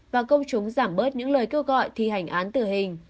và công chúng giảm bớt những lời kêu gọi thi hành án tử hình